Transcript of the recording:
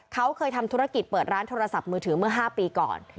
เขาเคยทำธุรกิจเปิดร้านโทรศัพท์มือถือเมื่อ๕ปีก่อน